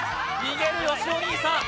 逃げるよしお兄さん